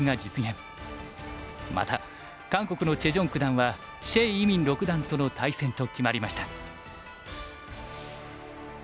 また韓国のチェ・ジョン九段は謝依旻六段との対戦と決まりました。